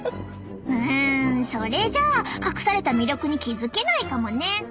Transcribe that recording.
うんそれじゃあ隠された魅力に気付けないかもね！